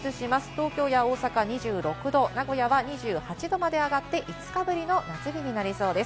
東京や大阪は２６度、名古屋は２８度まで上がって、５日ぶりの夏日となりそうです。